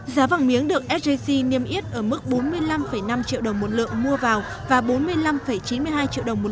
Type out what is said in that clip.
giá vàng miếng được sjc niêm yết ở mức bốn mươi năm năm triệu đồng một lượng mua vào và bốn mươi năm chín mươi hai triệu đồng một